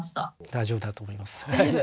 大丈夫だと思います。